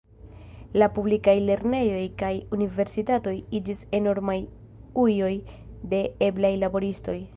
La publikaj lernejoj kaj universitatoj iĝis enormaj ujoj de eblaj laboristoj.